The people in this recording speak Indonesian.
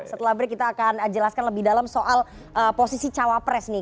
setelah break kita akan jelaskan lebih dalam soal posisi cawapres nih